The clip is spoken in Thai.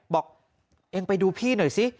บอกเองไปดูพี่หน่อยสิ